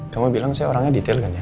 kamu bilang saya orangnya detail kan ya